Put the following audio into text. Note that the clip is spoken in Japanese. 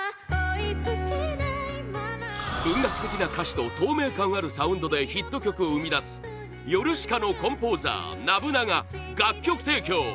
文学的な歌詞と透明感あるサウンドでヒット曲を生み出すヨルシカのコンポーザーｎ‐ｂｕｎａが楽曲提供